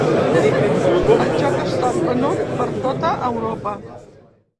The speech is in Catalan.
El joc ha estat venut per tota Europa.